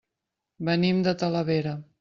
Venim de Talavera.